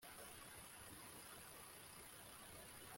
ndabaga afite imyaka ya mariya cyane